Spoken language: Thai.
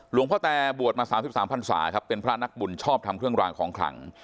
หลวงพ่อแตบวชมา๓๓พันศาครับเป็นพระนักบุญชอบทำเครื่องรางของขลัง